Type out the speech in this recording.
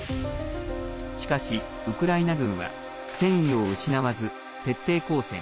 しかし、ウクライナ軍は戦意を失わず徹底抗戦。